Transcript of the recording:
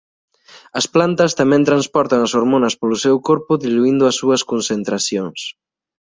As plantas tamén transportan as hormonas polo seu corpo diluíndo as súas concentracións.